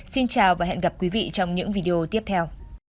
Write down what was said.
xin chào và hẹn gặp quý vị trong những video tiếp theo